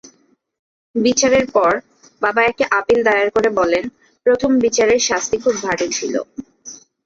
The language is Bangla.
বিচারের পর, বাবা একটি আপিল দায়ের করে বলেন, প্রথম বিচারের শাস্তি খুব ভারী ছিল।